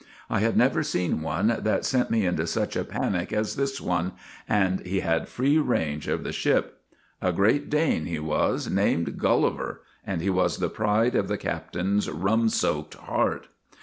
I had never seen one that sent me into such a panic as this one, and he had free range of the ship. A Great Dane he was, named Gulli ver, and he was the pride of the captain's rum soaked heart.